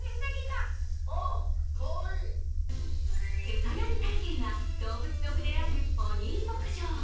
餌やり体験や動物と触れ合えるポニー牧場。